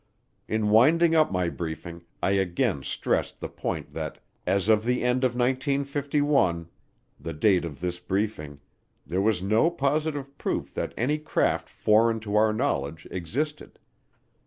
In winding up my briefing, I again stressed the point that, as of the end of 1951 the date of this briefing there was no positive proof that any craft foreign to our knowledge existed.